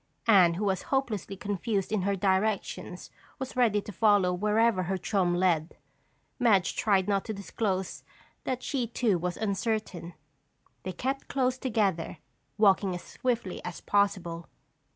Anne who was hopelessly confused in her directions was ready to follow wherever her chum led. Madge tried not to disclose that she too was uncertain. They kept close together, walking as swiftly as possible.